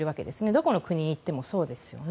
どこの国に行ってもそうですよね。